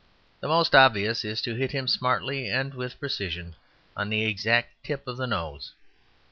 The most obvious is to hit him smartly and with precision on the exact tip of the nose.